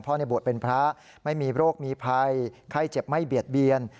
บวชเป็นพระไม่มีโรคมีภัยไข้เจ็บไม่เบียดเบียน